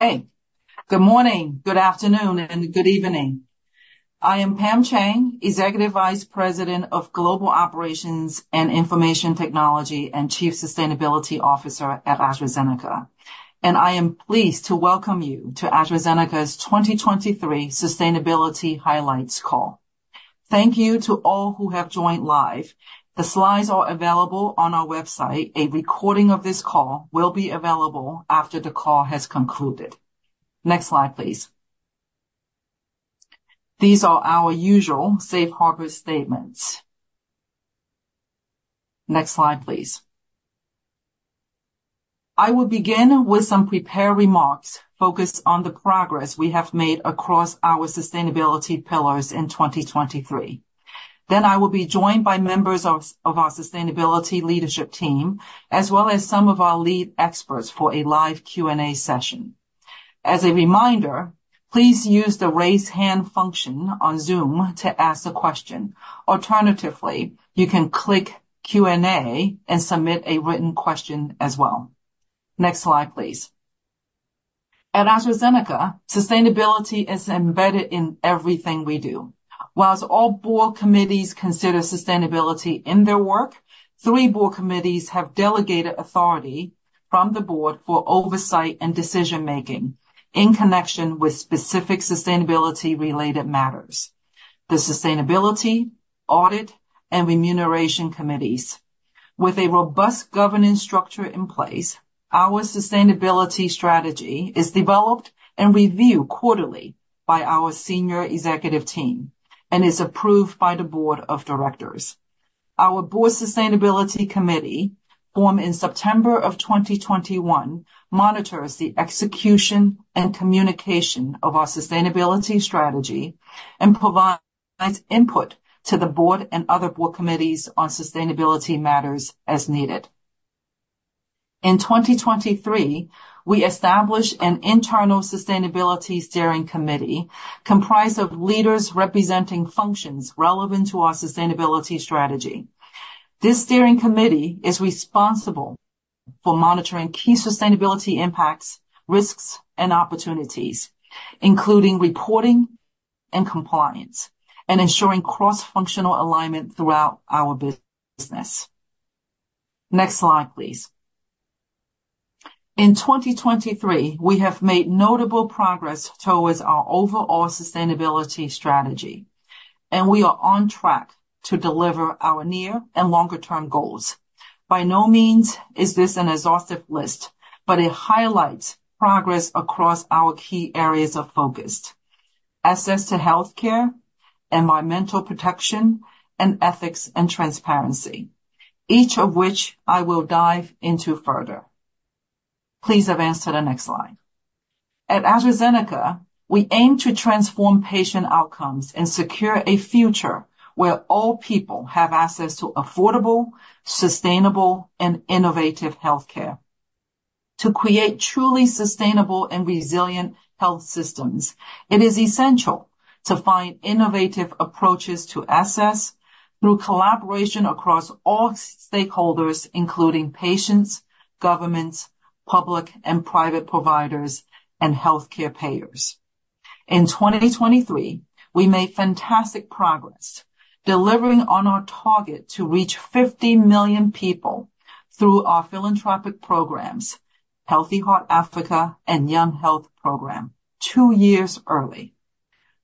Hey. Good morning, good afternoon, and good evening. I am Pam Cheng, Executive Vice President of Global Operations and Information Technology and Chief Sustainability Officer at AstraZeneca, and I am pleased to welcome you to AstraZeneca's 2023 Sustainability Highlights call. Thank you to all who have joined live. The slides are available on our website. A recording of this call will be available after the call has concluded. Next slide, please. These are our usual safe harbor statements. Next slide, please. I will begin with some prepared remarks focused on the progress we have made across our sustainability pillars in 2023. Then I will be joined by members of our sustainability leadership team, as well as some of our lead experts for a live Q&A session. As a reminder, please use the raise hand function on Zoom to ask a question. Alternatively, you can click Q&A and submit a written question as well. Next slide, please. At AstraZeneca, sustainability is embedded in everything we do. While all board committees consider sustainability in their work, three board committees have delegated authority from the board for oversight and decision-making in connection with specific sustainability-related matters: the Sustainability, Audit, and Remuneration Committees. With a robust governance structure in place, our sustainability strategy is developed and reviewed quarterly by our senior executive team and is approved by the board of directors. Our Board Sustainability Committee, formed in September of 2021, monitors the execution and communication of our sustainability strategy and provides input to the board and other board committees on sustainability matters as needed. In 2023, we established an internal sustainability steering committee comprised of leaders representing functions relevant to our sustainability strategy. This steering committee is responsible for monitoring key sustainability impacts, risks, and opportunities, including reporting and compliance, and ensuring cross-functional alignment throughout our business. Next slide, please. In 2023, we have made notable progress towards our overall sustainability strategy, and we are on track to deliver our near and longer-term goals. By no means is this an exhaustive list, but it highlights progress across our key areas of focus: access to healthcare, environmental protection, and ethics and transparency, each of which I will dive into further. Please advance to the next slide. At AstraZeneca, we aim to transform patient outcomes and secure a future where all people have access to affordable, sustainable, and innovative healthcare. To create truly sustainable and resilient health systems, it is essential to find innovative approaches to access through collaboration across all stakeholders, including patients, governments, public and private providers, and healthcare payers. In 2023, we made fantastic progress, delivering on our target to reach 50 million people through our philanthropic programs, Healthy Heart Africa and Young Health Program, two years early.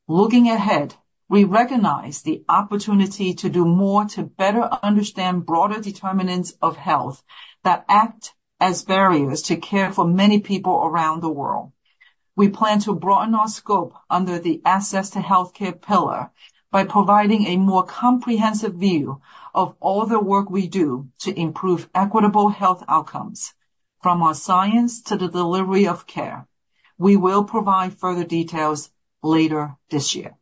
Looking ahead, we recognize the opportunity to do more to better understand broader determinants of health that act as barriers to care for many people around the world. We plan to broaden our scope under the access to healthcare pillar by providing a more comprehensive view of all the work we do to improve equitable health outcomes, from our science to the delivery of care. We will provide further details later this year.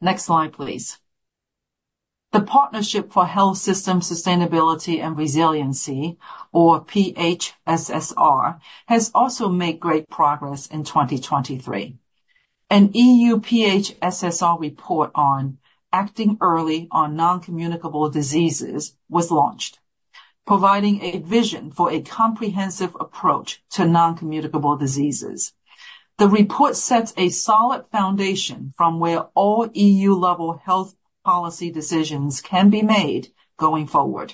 Next slide, please. The Partnership for Health System Sustainability and Resiliency, or PHSSR, has also made great progress in 2023. An EU PHSSR report on Acting Early on Non-Communicable Diseases was launched, providing a vision for a comprehensive approach to non-communicable diseases. The report sets a solid foundation from where all EU-level health policy decisions can be made going forward,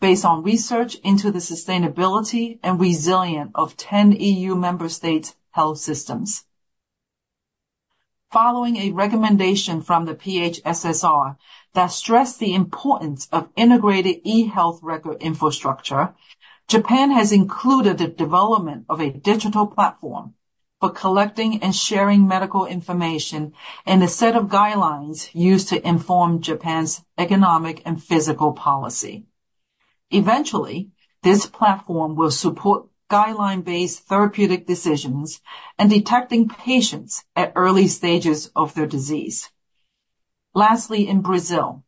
based on research into the sustainability and resilience of 10 EU member states' health systems. Following a recommendation from the PHSSR that stressed the importance of integrated e-health record infrastructure, Japan has included the development of a digital platform for collecting and sharing medical information and a set of guidelines used to inform Japan's economic and fiscal policy. Eventually, this platform will support guideline-based therapeutic decisions and detecting patients at early stages of their disease. Lastly, in Brazil,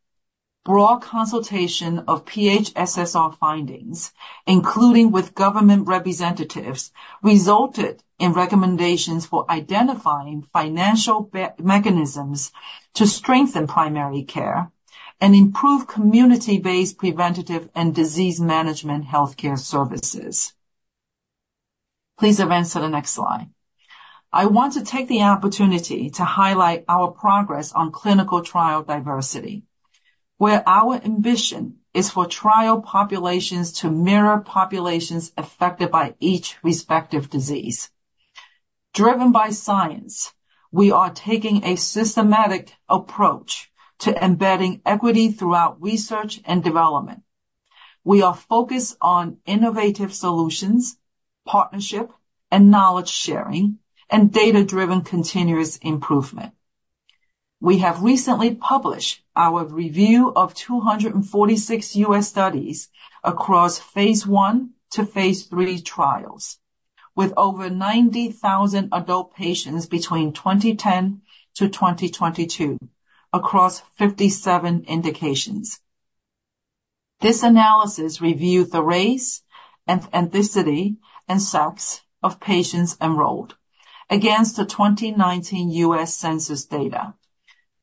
broad consultation of PHSSR findings, including with government representatives, resulted in recommendations for identifying financial mechanisms to strengthen primary care and improve community-based preventive and disease management healthcare services. Please advance to the next slide. I want to take the opportunity to highlight our progress on clinical trial diversity, where our ambition is for trial populations to mirror populations affected by each respective disease. Driven by science, we are taking a systematic approach to embedding equity throughout research and development. We are focused on innovative solutions, partnership and knowledge sharing, and data-driven continuous improvement. We have recently published our review of 246 U.S. studies across phase I to phase III trials, with over 90,000 adult patients between 2010 to 2022 across 57 indications. This analysis reviewed the race, ethnicity, and sex of patients enrolled, against the 2019 U.S. census data.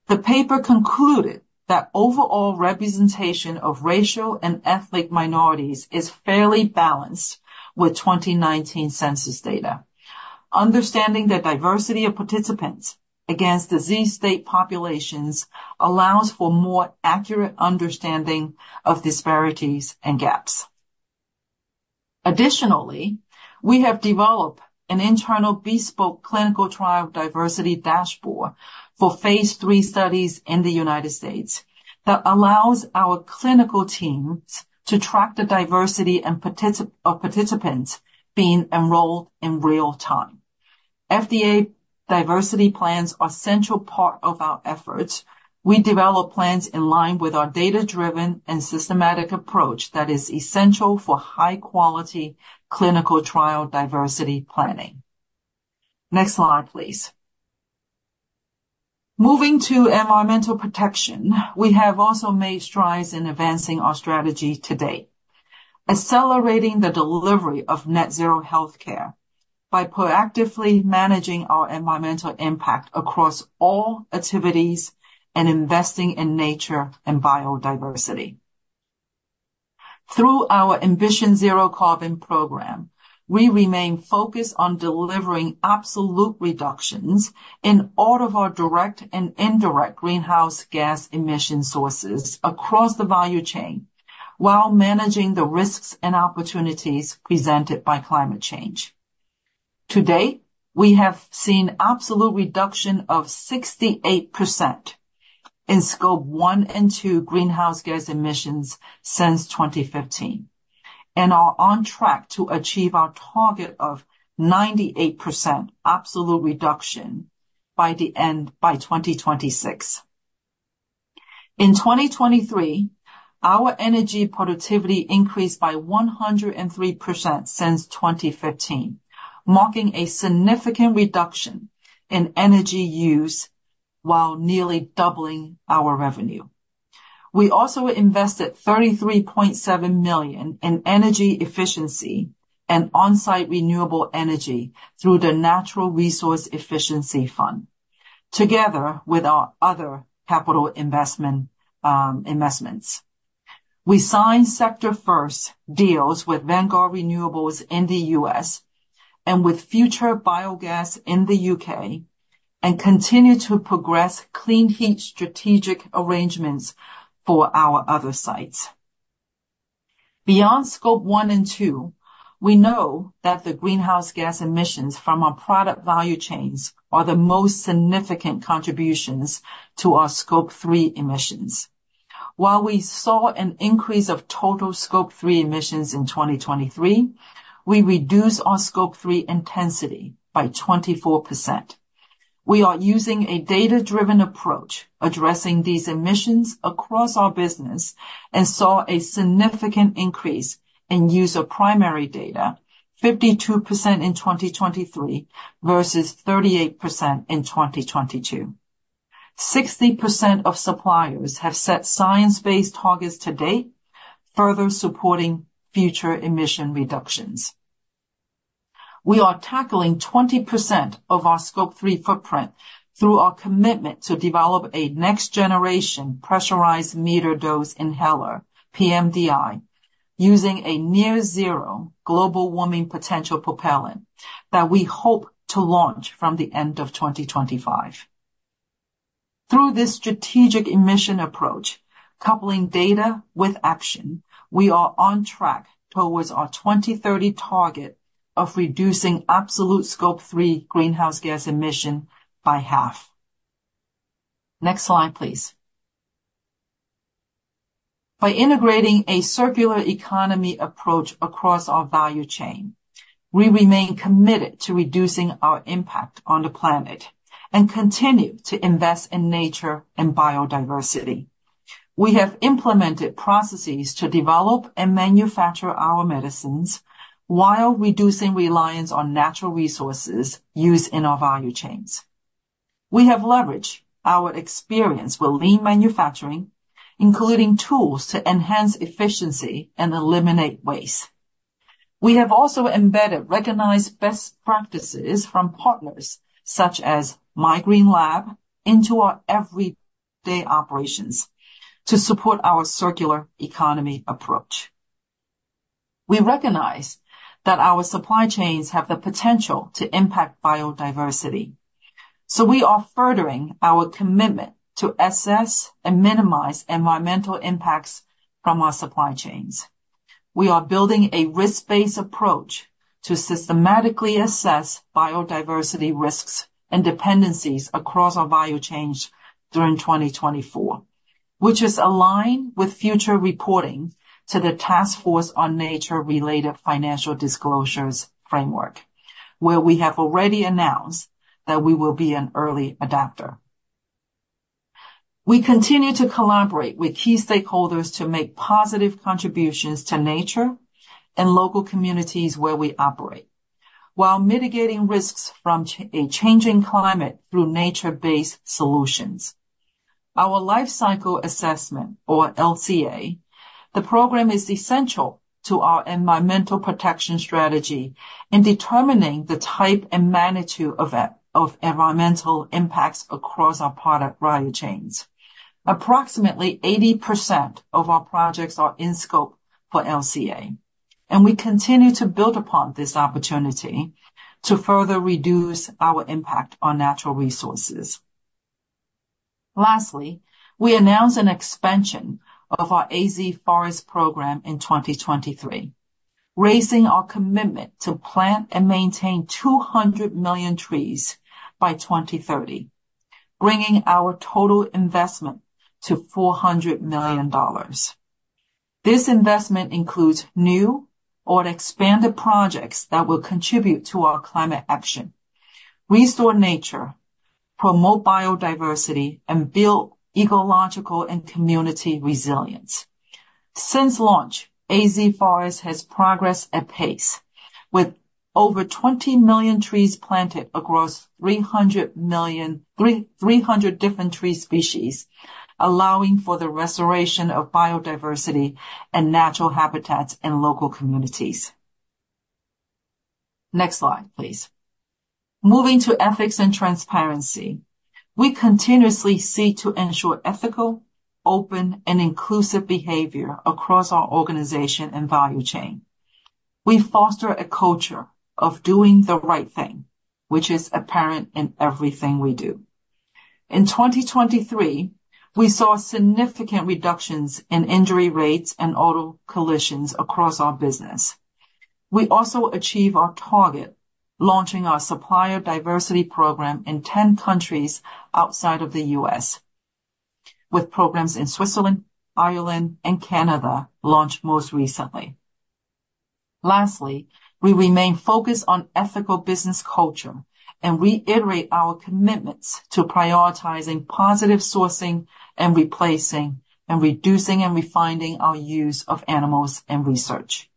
The paper concluded that overall representation of racial and ethnic minorities is fairly balanced with 2019 census data. Understanding the diversity of participants against disease state populations allows for more accurate understanding of disparities and gaps. Additionally, we have developed an internal bespoke clinical trial diversity dashboard for phase III studies in the United States that allows our clinical teams to track the diversity of participants being enrolled in real time. FDA diversity plans are a central part of our efforts. We develop plans in line with our data-driven and systematic approach that is essential for high-quality clinical trial diversity planning. Next slide, please. Moving to environmental protection, we have also made strides in advancing our strategy today: accelerating the delivery of net-zero healthcare by proactively managing our environmental impact across all activities and investing in nature and biodiversity. Through our Ambition Zero Carbon program, we remain focused on delivering absolute reductions in all of our direct and indirect greenhouse gas emission sources across the value chain, while managing the risks and opportunities presented by climate change. Today, we have seen an absolute reduction of 68% in Scope 1 and 2 greenhouse gas emissions since 2015, and are on track to achieve our target of 98% absolute reduction by the end of 2026. In 2023, our energy productivity increased by 103% since 2015, marking a significant reduction in energy use while nearly doubling our revenue. We also invested $33.7 million in energy efficiency and on-site renewable energy through the Natural Resource Efficiency Fund, together with our other capital investments. We signed Sector First deals with Vanguard Renewables in the U.S. and with Future Biogas in the U.K., and continue to progress clean heat strategic arrangements for our other sites. Beyond Scope 1 and 2, we know that the greenhouse gas emissions from our product value chains are the most significant contributions to our Scope 3 emissions. While we saw an increase of total Scope 3 emissions in 2023, we reduced our Scope 3 intensity by 24%. We are using a data-driven approach addressing these emissions across our business and saw a significant increase in user primary data, 52% in 2023 versus 38% in 2022. 60% of suppliers have set science-based targets to date, further supporting future emission reductions. We are tackling 20% of our Scope 3 footprint through our commitment to develop a next-generation pressurized metered dose inhaler, pMDI, using a near-zero global warming potential propellant that we hope to launch from the end of 2025. Through this strategic emission approach, coupling data with action, we are on track towards our 2030 target of reducing absolute Scope 3 greenhouse gas emission by half. Next slide, please. By integrating a circular economy approach across our value chain, we remain committed to reducing our impact on the planet and continue to invest in nature and biodiversity. We have implemented processes to develop and manufacture our medicines while reducing reliance on natural resources used in our value chains. We have leveraged our experience with lean manufacturing, including tools to enhance efficiency and eliminate waste. We have also embedded recognized best practices from partners, such as My Green Lab, into our everyday operations to support our circular economy approach. We recognize that our supply chains have the potential to impact biodiversity, so we are furthering our commitment to assess and minimize environmental impacts from our supply chains. We are building a risk-based approach to systematically assess biodiversity risks and dependencies across our value chains during 2024, which is aligned with future reporting to the Taskforce on Nature-related Financial Disclosures framework, where we have already announced that we will be an early adopter. We continue to collaborate with key stakeholders to make positive contributions to nature and local communities where we operate, while mitigating risks from a changing climate through nature-based solutions. Our Life Cycle Assessment, or LCA, the program is essential to our environmental protection strategy in determining the type and magnitude of environmental impacts across our product value chains. Approximately 80% of our projects are in scope for LCA, and we continue to build upon this opportunity to further reduce our impact on natural resources. Lastly, we announced an expansion of our AZ Forest Program in 2023, raising our commitment to plant and maintain 200 million trees by 2030, bringing our total investment to $400 million. This investment includes new or expanded projects that will contribute to our climate action, restore nature, promote biodiversity, and build ecological and community resilience. Since launch, AZ Forest has progressed at pace, with over 20 million trees planted across 300 million— 300 different tree species, allowing for the restoration of biodiversity and natural habitats in local communities. Next slide, please. Moving to ethics and transparency, we continuously seek to ensure ethical, open, and inclusive behavior across our organization and value chain. We foster a culture of doing the right thing, which is apparent in everything we do. In 2023, we saw significant reductions in injury rates and auto collisions across our business. We also achieved our target, launching our Supplier Diversity Program in 10 countries outside of the U.S., with programs in Switzerland, Ireland, and Canada launched most recently. Lastly, we remain focused on ethical business culture and reiterate our commitments to prioritizing positive sourcing and replacing, reducing, and refining our use of animals and research.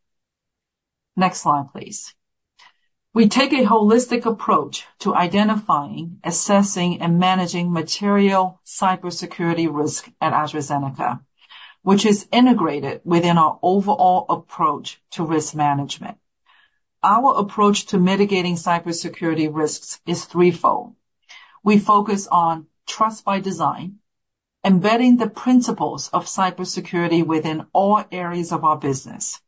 Next slide, please. We take a holistic approach to identifying, assessing, and managing material cybersecurity risk at AstraZeneca, which is integrated within our overall approach to risk management. Our approach to mitigating cybersecurity risks is threefold. We focus on trust by design, embedding the principles of cybersecurity within all areas of our business.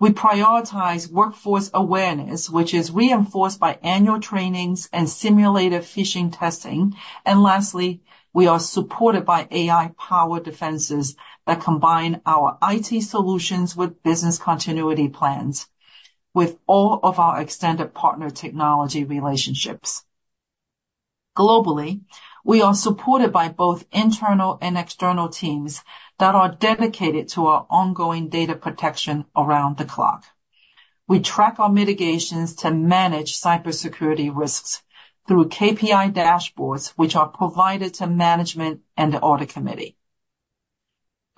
We prioritize workforce awareness, which is reinforced by annual trainings and simulated phishing testing. And lastly, we are supported by AI-powered defenses that combine our IT solutions with business continuity plans, with all of our extended partner technology relationships. Globally, we are supported by both internal and external teams that are dedicated to our ongoing data protection around the clock. We track our mitigations to manage cybersecurity risks through KPI dashboards, which are provided to management and the audit committee.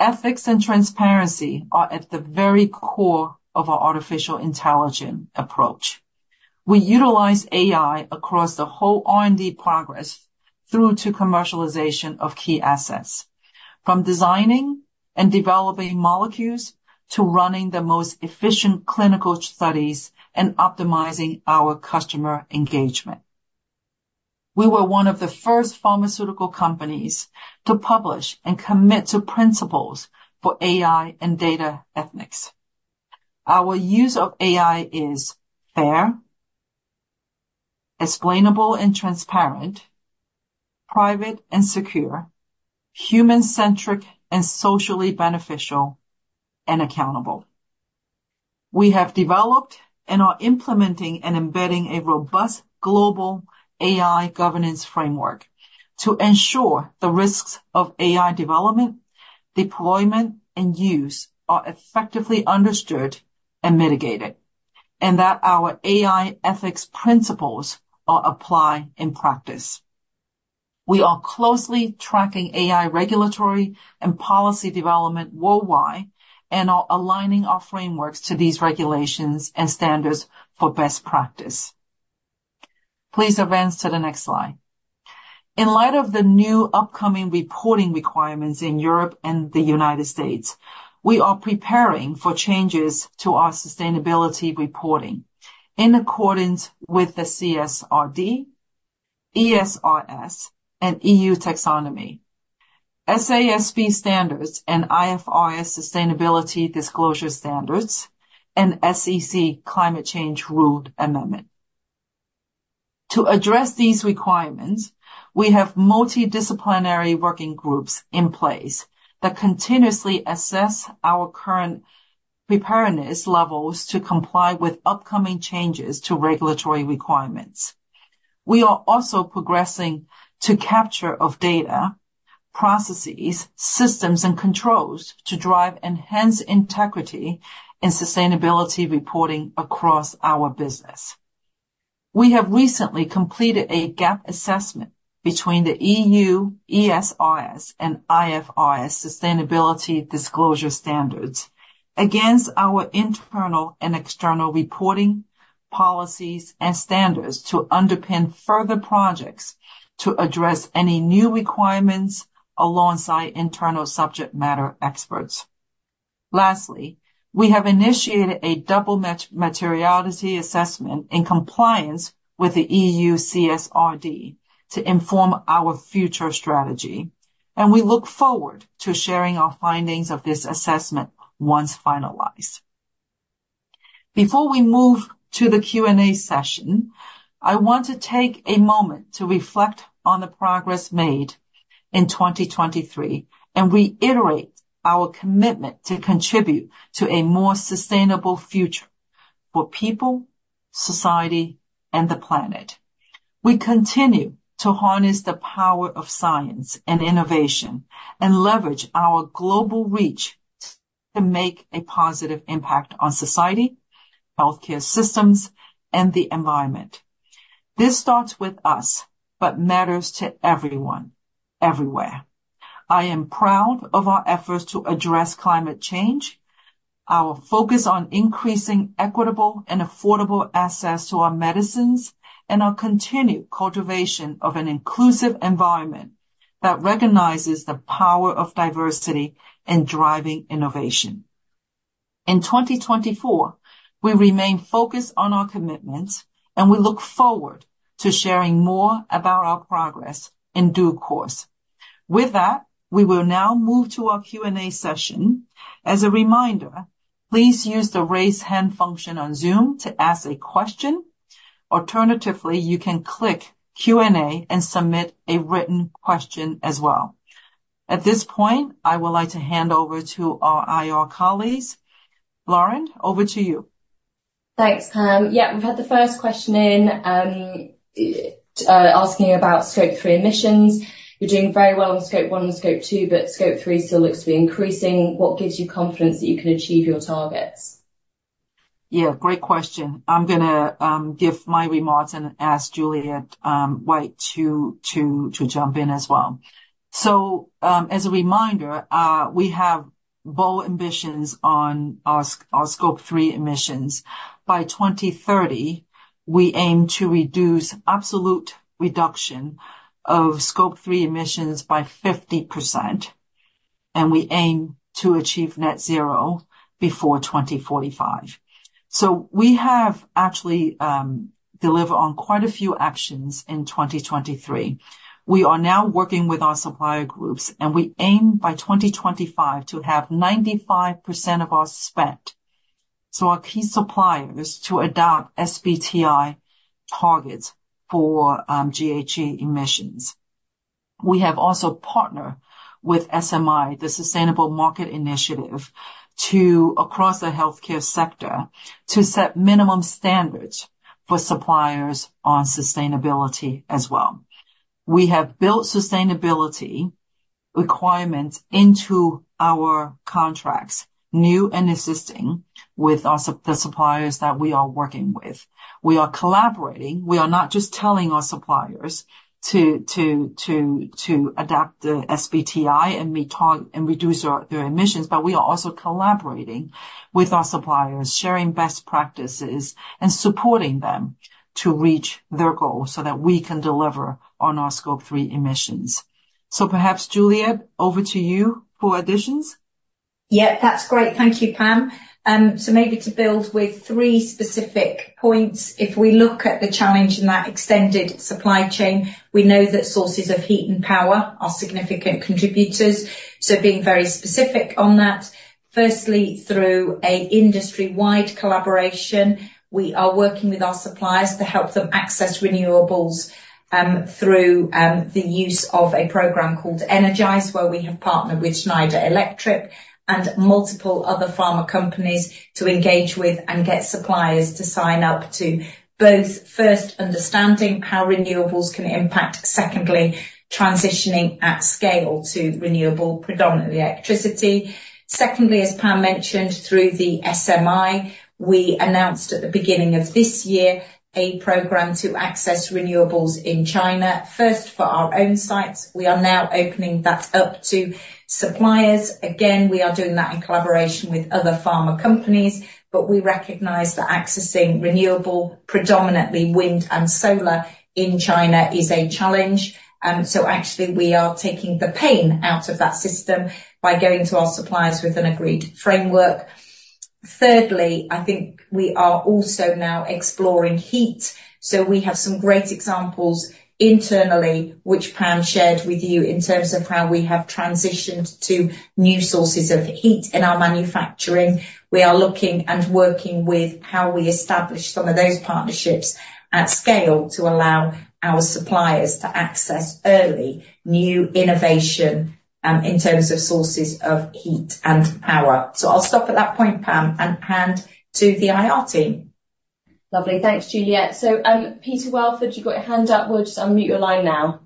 Ethics and transparency are at the very core of our artificial intelligence approach. We utilize AI across the whole R&D progress through to commercialization of key assets, from designing and developing molecules to running the most efficient clinical studies and optimizing our customer engagement. We were one of the first pharmaceutical companies to publish and commit to principles for AI and data ethics. Our use of AI is fair, explainable and transparent, private and secure, human-centric and socially beneficial, and accountable. We have developed and are implementing and embedding a robust global AI governance framework to ensure the risks of AI development, deployment, and use are effectively understood and mitigated, and that our AI ethics principles are applied in practice. We are closely tracking AI regulatory and policy development worldwide and are aligning our frameworks to these regulations and standards for best practice. Please advance to the next slide. In light of the new upcoming reporting requirements in Europe and the United States, we are preparing for changes to our sustainability reporting in accordance with the CSRD, ESRS, and EU taxonomy, SASB standards and IFRS sustainability disclosure standards, and SEC Climate Change Rule Amendment. To address these requirements, we have multidisciplinary working groups in place that continuously assess our current preparedness levels to comply with upcoming changes to regulatory requirements. We are also progressing to capture data, processes, systems, and controls to drive enhanced integrity and sustainability reporting across our business. We have recently completed a gap assessment between the EU ESRS and IFRS sustainability disclosure standards against our internal and external reporting policies and standards to underpin further projects to address any new requirements alongside internal subject matter experts. Lastly, we have initiated a double materiality assessment in compliance with the EU CSRD to inform our future strategy, and we look forward to sharing our findings of this assessment once finalized. Before we move to the Q&A session, I want to take a moment to reflect on the progress made in 2023 and reiterate our commitment to contribute to a more sustainable future for people, society, and the planet. We continue to harness the power of science and innovation and leverage our global reach to make a positive impact on society, healthcare systems, and the environment. This starts with us but matters to everyone, everywhere. I am proud of our efforts to address climate change, our focus on increasing equitable and affordable access to our medicines, and our continued cultivation of an inclusive environment that recognizes the power of diversity in driving innovation. In 2024, we remain focused on our commitments, and we look forward to sharing more about our progress in due course. With that, we will now move to our Q&A session. As a reminder, please use the raise hand function on Zoom to ask a question. Alternatively, you can click Q&A and submit a written question as well. At this point, I would like to hand over to our IR colleagues. Lauren, over to you. Thanks. Yeah, we've had the first question in asking about Scope 3 emissions. You're doing very well in Scope 1 and Scope 2, but Scope 3 still looks to be increasing. What gives you confidence that you can achieve your targets? Yeah, great question. I'm going to give my remarks and ask Juliette White to jump in as well. So, as a reminder, we have bold ambitions on our Scope 3 emissions. By 2030, we aim to reduce absolute reduction of Scope 3 emissions by 50%, and we aim to achieve net zero before 2045. So, we have actually delivered on quite a few actions in 2023. We are now working with our supplier groups, and we aim by 2025 to have 95% of our spend, so our key suppliers, to adopt SBTi targets for GHG emissions. We have also partnered with SMI, the Sustainable Markets Initiative, across the healthcare sector to set minimum standards for suppliers on sustainability as well. We have built sustainability requirements into our contracts, new and existing, with the suppliers that we are working with. We are collaborating. We are not just telling our suppliers to adopt the SBTI and reduce their emissions, but we are also collaborating with our suppliers, sharing best practices, and supporting them to reach their goals so that we can deliver on our Scope 3 emissions. So, perhaps, Juliette, over to you for additions. Yeah, that's great. Thank you, Pam. So, maybe to build with three specific points. If we look at the challenge in that extended supply chain, we know that sources of heat and power are significant contributors. So, being very specific on that, firstly, through an industry-wide collaboration, we are working with our suppliers to help them access renewables through the use of a program called Energize, where we have partnered with Schneider Electric and multiple other pharma companies to engage with and get suppliers to sign up to both first, understanding how renewables can impact, secondly, transitioning at scale to renewable, predominantly electricity. Secondly, as Pam mentioned, through the SMI, we announced at the beginning of this year a program to access renewables in China, first for our own sites. We are now opening that up to suppliers. Again, we are doing that in collaboration with other pharma companies, but we recognize that accessing renewable, predominantly wind and solar, in China is a challenge. So, actually, we are taking the pain out of that system by going to our suppliers with an agreed framework. Thirdly, I think we are also now exploring heat. So, we have some great examples internally, which Pam shared with you, in terms of how we have transitioned to new sources of heat in our manufacturing. We are looking and working with how we establish some of those partnerships at scale to allow our suppliers to access early new innovation in terms of sources of heat and power. So, I'll stop at that point, Pam, and hand to the IR team. Lovely. Thanks, Juliette. So, Peter Welford, you've got your hand up. We'll just unmute your line now.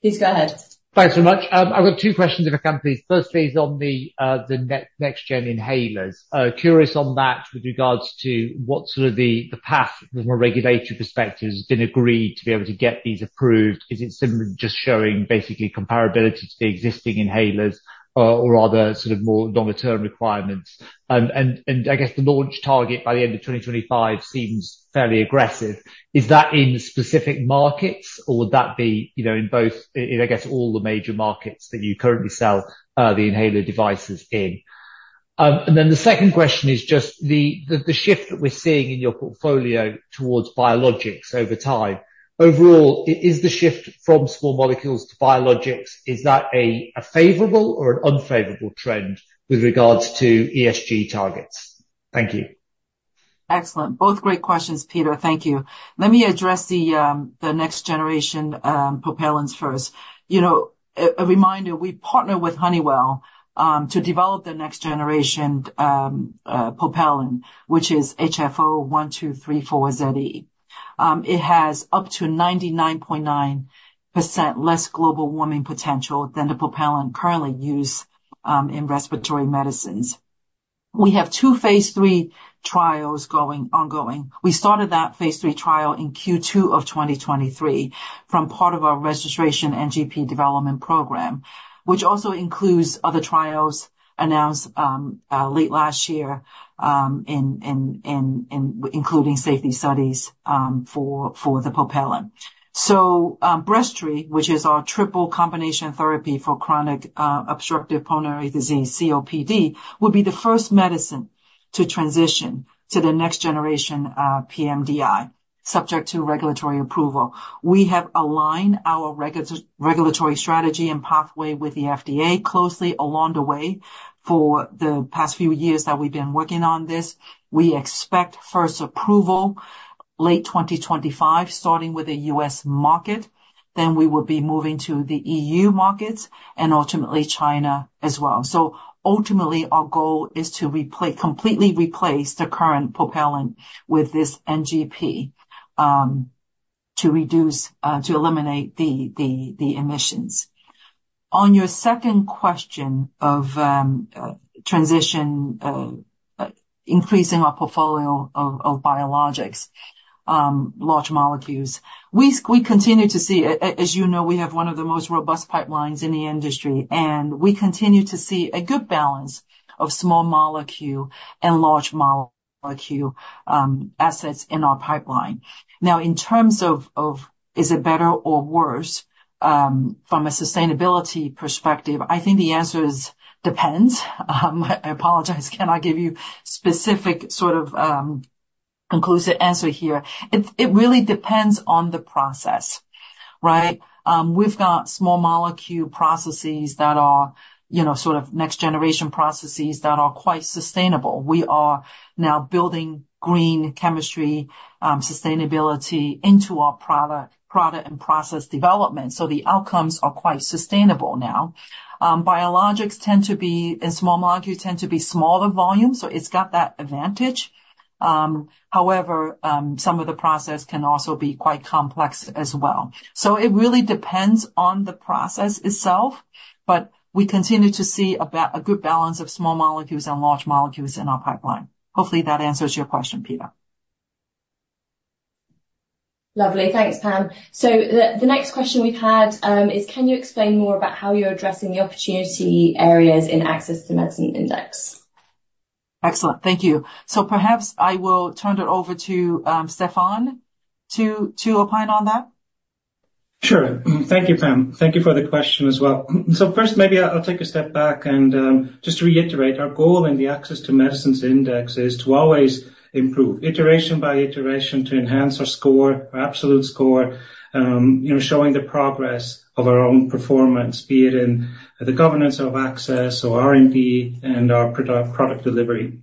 Please go ahead. Thanks so much. I've got two questions if I can please. Firstly is on the NextGen inhalers. Curious on that with regards to what sort of the path from a regulatory perspective has been agreed to be able to get these approved. Is it simply just showing, basically, comparability to the existing inhalers or other sort of more longer-term requirements? And I guess the launch target by the end of 2025 seems fairly aggressive. Is that in specific markets, or would that be in both, I guess, all the major markets that you currently sell the inhaler devices in? And then the second question is just the shift that we're seeing in your portfolio towards biologics over time. Overall, is the shift from small molecules to biologics, is that a favorable or an unfavorable trend with regards to ESG targets? Thank you. Excellent. Both great questions, Peter. Thank you. Let me address the next-generation propellants first. You know, a reminder, we partner with Honeywell to develop the next-generation propellant, which is HFO-1234ze. It has up to 99.9% less global warming potential than the propellant currently used in respiratory medicines. We have two phase III trials ongoing. We started that phase III trial in Q2 of 2023 from part of our registration NGP development program, which also includes other trials announced late last year, including safety studies for the propellant. So, Breztri, which is our triple combination therapy for chronic obstructive pulmonary disease, COPD, would be the first medicine to transition to the next-generation pMDI, subject to regulatory approval. We have aligned our regulatory strategy and pathway with the FDA closely along the way for the past few years that we've been working on this. We expect first approval late 2025, starting with the U.S. market. Then we will be moving to the EU markets and ultimately China as well. So, ultimately, our goal is to completely replace the current propellant with this NGP to eliminate the emissions. On your second question of increasing our portfolio of biologics, large molecules, we continue to see, as you know, we have one of the most robust pipelines in the industry, and we continue to see a good balance of small molecule and large molecule assets in our pipeline. Now, in terms of is it better or worse from a sustainability perspective, I think the answer is, depends. I apologize. I cannot give you a specific sort of conclusive answer here. It really depends on the process, right? We've got small molecule processes that are sort of next-generation processes that are quite sustainable. We are now building green chemistry, sustainability into our product and process development. So, the outcomes are quite sustainable now. Biologics tend to be and small molecules tend to be smaller volumes, so it's got that advantage. However, some of the process can also be quite complex as well. So, it really depends on the process itself, but we continue to see a good balance of small molecules and large molecules in our pipeline. Hopefully, that answers your question, Peter. Lovely. Thanks, Pam. So, the next question we've had is, can you explain more about how you're addressing the opportunity areas in Access to Medicine Index? Excellent. Thank you. So, perhaps I will turn it over to Stefan to opine on that. Sure. Thank you, Pam. Thank you for the question as well. So, first, maybe I'll take a step back and just reiterate, our goal in the Access to Medicine Index is to always improve, iteration by iteration, to enhance our score, our absolute score, showing the progress of our own performance, be it in the governance of access or R&D and our product delivery.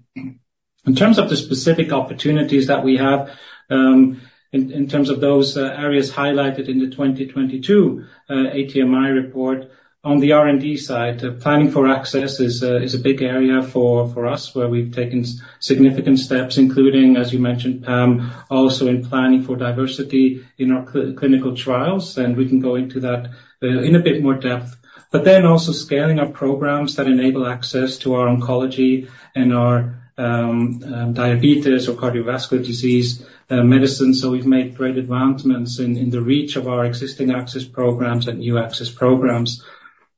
In terms of the specific opportunities that we have, in terms of those areas highlighted in the 2022 ATMI report, on the R&D side, planning for access is a big area for us where we've taken significant steps, including, as you mentioned, Pam, also in planning for diversity in our clinical trials. And we can go into that in a bit more depth. But then also scaling our programs that enable access to our oncology and our diabetes or cardiovascular disease medicines. So, we've made great advancements in the reach of our existing access programs and new access programs.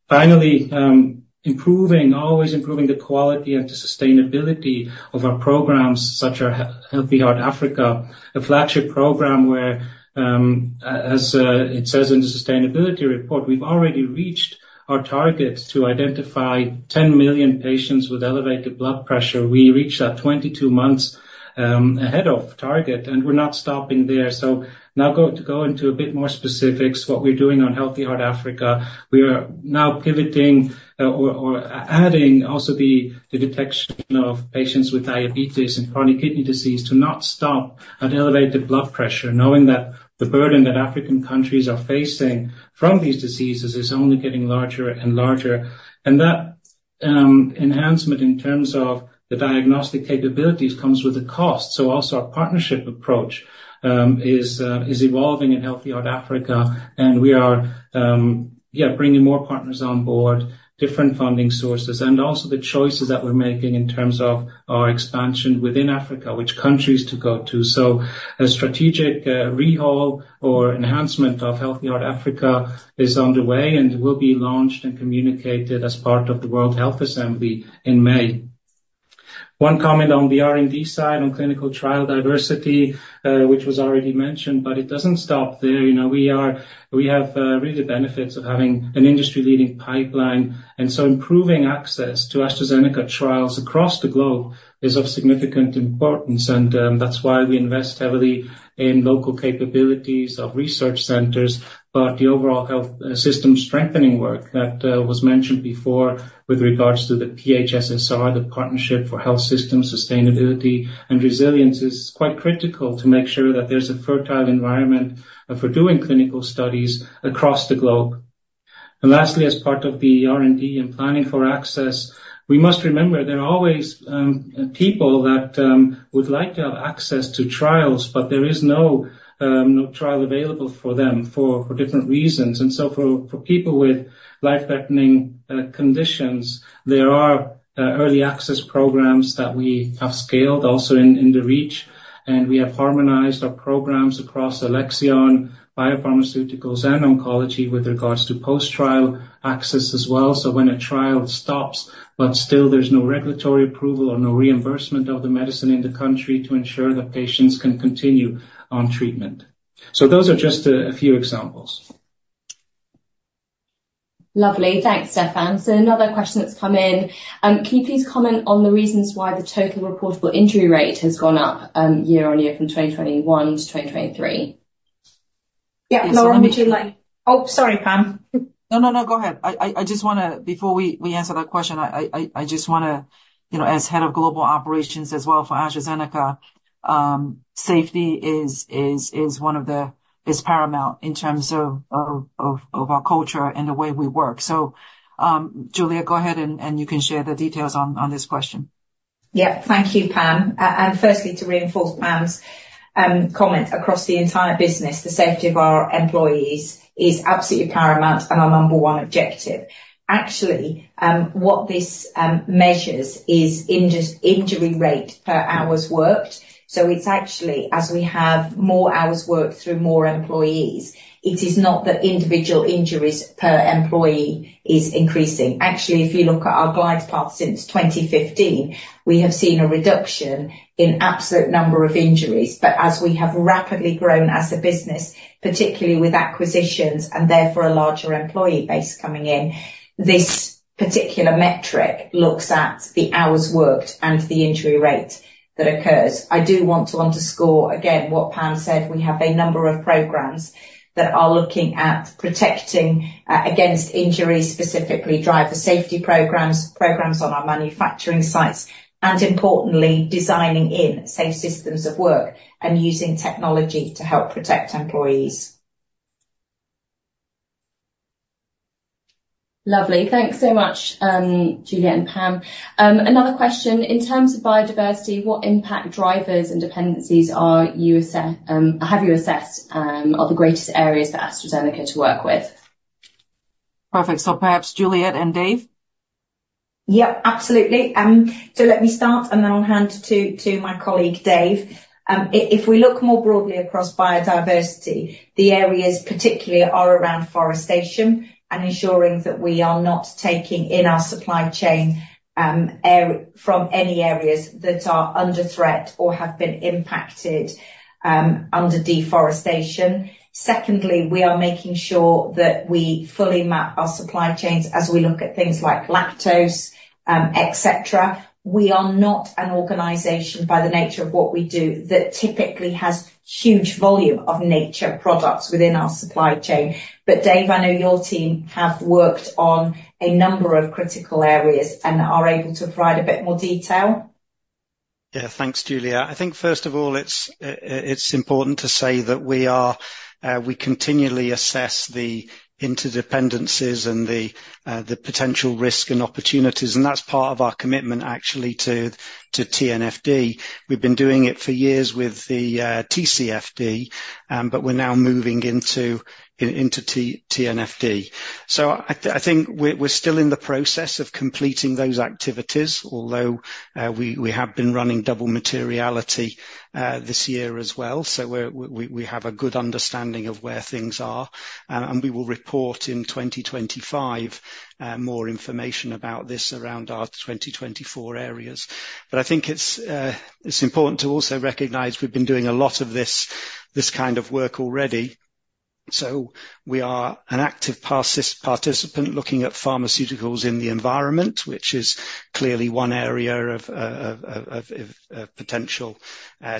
Finally, always improving the quality and the sustainability of our programs, such as Healthy Heart Africa, a flagship program where, as it says in the sustainability report, we've already reached our target to identify 10 million patients with elevated blood pressure. We reached that 22 months ahead of target, and we're not stopping there. So, now to go into a bit more specifics, what we're doing on Healthy Heart Africa, we are now pivoting or adding also the detection of patients with diabetes and chronic kidney disease to not stop at elevated blood pressure, knowing that the burden that African countries are facing from these diseases is only getting larger and larger. That enhancement in terms of the diagnostic capabilities comes with a cost. Also, our partnership approach is evolving in Healthy Heart Africa, and we are, yeah, bringing more partners on board, different funding sources, and also the choices that we're making in terms of our expansion within Africa, which countries to go to. So, a strategic rehaul or enhancement of Healthy Heart Africa is underway and will be launched and communicated as part of the World Health Assembly in May. One comment on the R&D side, on clinical trial diversity, which was already mentioned, but it doesn't stop there. We have really the benefits of having an industry-leading pipeline. And so, improving access to AstraZeneca trials across the globe is of significant importance. And that's why we invest heavily in local capabilities of research centers. But the overall health system strengthening work that was mentioned before with regards to the PHSSR, the Partnership for Health System Sustainability and Resiliency, is quite critical to make sure that there's a fertile environment for doing clinical studies across the globe. And lastly, as part of the R&D and planning for access, we must remember there are always people that would like to have access to trials, but there is no trial available for them for different reasons. And so, for people with life-threatening conditions, there are early access programs that we have scaled also in the reach. And we have harmonized our programs across Alexion, biopharmaceuticals, and oncology with regards to post-trial access as well. So, when a trial stops but still there's no regulatory approval or no reimbursement of the medicine in the country to ensure that patients can continue on treatment. So, those are just a few examples. Lovely. Thanks, Stefan. So, another question that's come in. Can you please comment on the reasons why the total reportable injury rate has gone up year on year from 2021 to 2023? Yeah, Lauren, would you like? Oh, sorry, Pam. No, no, no. Go ahead. I just want to, before we answer that question, I just want to, as head of global operations as well for AstraZeneca, safety is one of the is paramount in terms of our culture and the way we work. So, Juliet, go ahead, and you can share the details on this question. Yeah, thank you, Pam. Firstly, to reinforce Pam's comment, across the entire business, the safety of our employees is absolutely paramount and our number one objective. Actually, what this measures is injury rate per hours worked. So, it's actually as we have more hours worked through more employees, it is not that individual injuries per employee is increasing. Actually, if you look at our glide path since 2015, we have seen a reduction in absolute number of injuries. But as we have rapidly grown as a business, particularly with acquisitions and therefore a larger employee base coming in, this particular metric looks at the hours worked and the injury rate that occurs. I do want to underscore, again, what Pam said. We have a number of programs that are looking at protecting against injuries, specifically driver safety programs, programs on our manufacturing sites, and importantly, designing in safe systems of work and using technology to help protect employees. Lovely. Thanks so much, Juliette and Pam. Another question. In terms of biodiversity, what impact drivers and dependencies have you assessed are the greatest areas for AstraZeneca to work with? Perfect. So, perhaps Juliette and Dave? Yeah, absolutely. So, let me start, and then I'll hand to my colleague, Dave. If we look more broadly across biodiversity, the areas particularly are around forestation and ensuring that we are not taking in our supply chain from any areas that are under threat or have been impacted under deforestation. Secondly, we are making sure that we fully map our supply chains as we look at things like lactose, etc. We are not an organization, by the nature of what we do, that typically has huge volume of nature products within our supply chain. But, Dave, I know your team have worked on a number of critical areas and are able to provide a bit more detail. Yeah, thanks, Juliette. I think, first of all, it's important to say that we continually assess the interdependencies and the potential risk and opportunities. That's part of our commitment, actually, to TNFD. We've been doing it for years with the TCFD, but we're now moving into TNFD. So, I think we're still in the process of completing those activities, although we have been running double materiality this year as well. So, we have a good understanding of where things are. And we will report in 2025 more information about this around our 2024 areas. But I think it's important to also recognize we've been doing a lot of this kind of work already. So, we are an active participant looking at pharmaceuticals in the environment, which is clearly one area of potential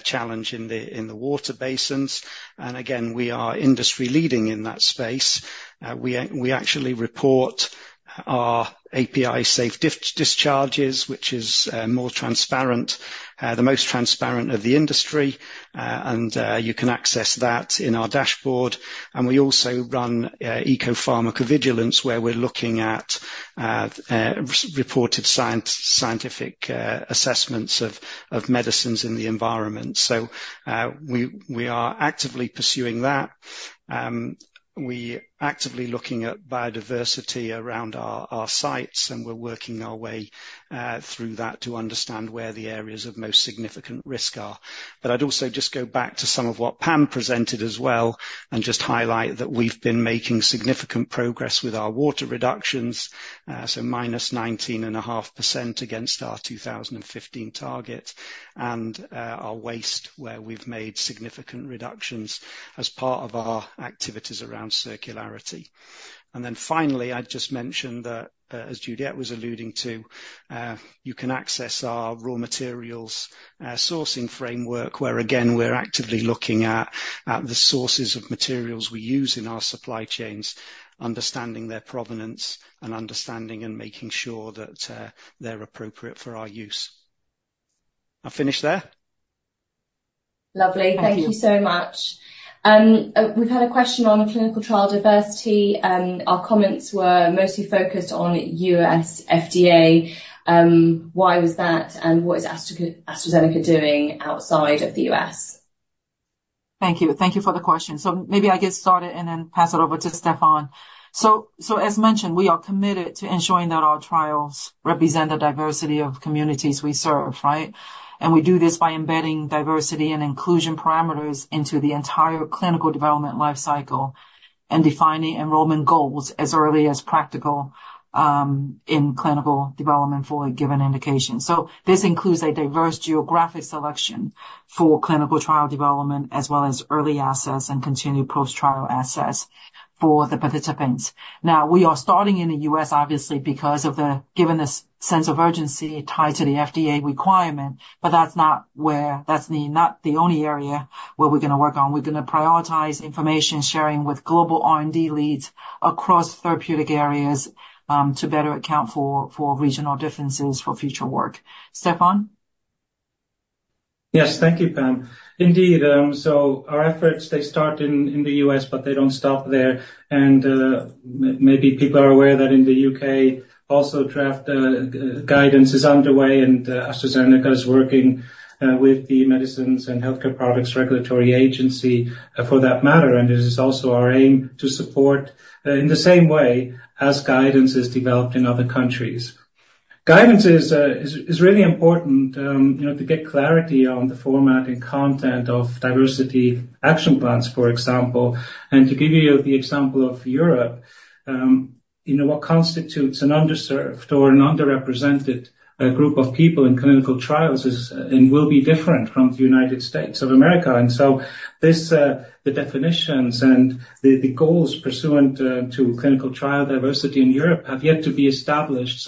challenge in the water basins. And again, we are industry-leading in that space. We actually report our API safe discharges, which is more transparent, the most transparent of the industry. And you can access that in our dashboard. We also run ecopharmacovigilance, where we're looking at reported scientific assessments of medicines in the environment. So, we are actively pursuing that. We're actively looking at biodiversity around our sites, and we're working our way through that to understand where the areas of most significant risk are. But I'd also just go back to some of what Pam presented as well and just highlight that we've been making significant progress with our water reductions, so -19.5% against our 2015 target, and our waste, where we've made significant reductions as part of our activities around circularity. Then finally, I'd just mention that, as Juliette was alluding to, you can access our raw materials sourcing framework, where, again, we're actively looking at the sources of materials we use in our supply chains, understanding their provenance, and understanding and making sure that they're appropriate for our use. I'll finish there. Lovely. Thank you so much. We've had a question on clinical trial diversity. Our comments were mostly focused on U.S. FDA. Why was that, and what is AstraZeneca doing outside of the U.S.? Thank you. Thank you for the question. So, maybe I can start it and then pass it over to Stefan. So, as mentioned, we are committed to ensuring that our trials represent the diversity of communities we serve, right? And we do this by embedding diversity and inclusion parameters into the entire clinical development lifecycle and defining enrollment goals as early as practical in clinical development for a given indication. So, this includes a diverse geographic selection for clinical trial development as well as early access and continued post-trial access for the participants. Now, we are starting in the U.S., obviously, given the sense of urgency tied to the FDA requirement, but that's not the only area where we're going to work on. We're going to prioritize information sharing with global R&D leads across therapeutic areas to better account for regional differences for future work. Stefan? Yes, thank you, Pam. Indeed. So, our efforts, they start in the U.S., but they don't stop there. Maybe people are aware that in the U.K., also draft guidance is underway, and AstraZeneca is working with the Medicines and Healthcare Products Regulatory Agency for that matter. It is also our aim to support in the same way as guidance is developed in other countries. Guidance is really important to get clarity on the format and content of diversity action plans, for example. To give you the example of Europe, what constitutes an underserved or an underrepresented group of people in clinical trials will be different from the United States of America. The definitions and the goals pursuant to clinical trial diversity in Europe have yet to be established.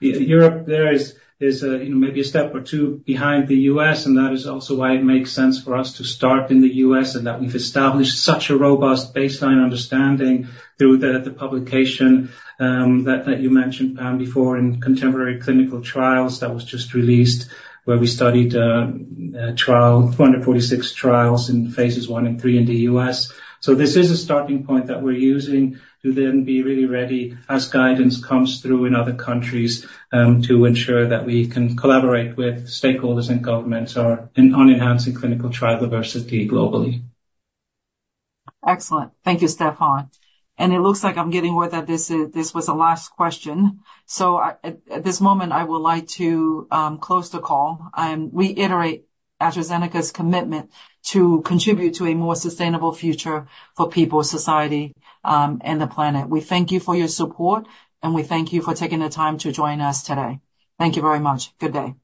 Europe, there is maybe a step or two behind the U.S., and that is also why it makes sense for us to start in the U.S. and that we've established such a robust baseline understanding through the publication that you mentioned, Pam, before in Contemporary Clinical Trials that was just released, where we studied 246 trials in phases I and III in the U.S. So, this is a starting point that we're using to then be really ready as guidance comes through in other countries to ensure that we can collaborate with stakeholders and governments on enhancing clinical trial diversity globally. Excellent. Thank you, Stefan. And it looks like I'm getting word that this was the last question. So, at this moment, I would like to close the call. We reiterate AstraZeneca's commitment to contribute to a more sustainable future for people, society, and the planet. We thank you for your support, and we thank you for taking the time to join us today. Thank you very much. Good day.